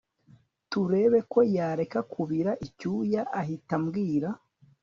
turebe ko yareka kubira icyuya ahita ambwira